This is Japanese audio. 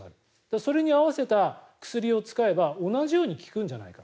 それに合わせて薬を使えば同じように効くんじゃないか。